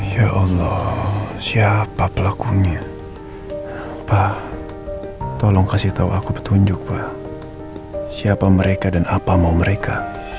ya allah siapa pelakunya pak tolong kasih tahu aku petunjuk pak siapa mereka dan apa mau mereka